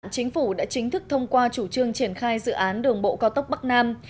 chính phủ đã chính thức thông qua chủ trương triển khai dự án đường bộ cao tốc bắc nam